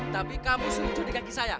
tapi kamu setuju di kaki saya